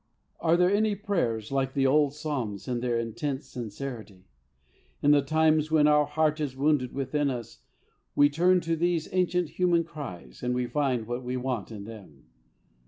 Are there any prayers like the old psalms in their intense sincerity? In the times when our heart is wounded within us we turn to these ancient human cries, and we find what we want in them.